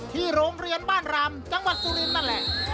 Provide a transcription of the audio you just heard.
ที่โรงเรียนบ้านรามจังหวัดสุรินทร์นั่นแหละ